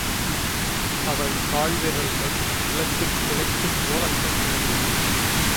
அவள் கால்விரல்கள் நிலத்திற் கிளைத்துக் கோலமிடத் தொடங்கின.